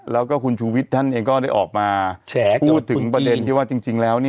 แล้วก็คุณชูวิทย์ท่านเองก็ได้ออกมาพูดถึงประเด็นที่ว่าจริงแล้ว